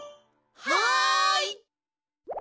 はい！